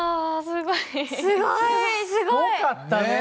すごい。すごかったね。